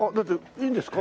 いいんですか？